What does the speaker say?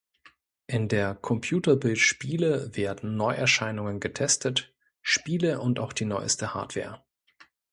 In der "Computer Bild Spiele" werden Neuerscheinungen getestet, Spiele und auch die neueste Hardware.